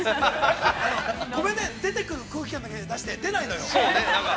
◆ごめんね、出てくる空気感だけ出して、出ないのよ。